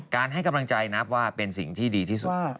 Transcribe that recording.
ให้กำลังใจนับว่าเป็นสิ่งที่ดีที่สุด